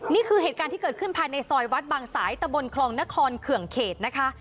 นี่คือเหตุการณ์ที่เกิดขึ้นภายในซอยวัดบางสายตะบนคลองนครเขื่องเขตนะคะ